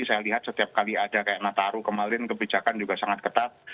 saya lihat setiap kali ada kayak nataru kemarin kebijakan juga sangat ketat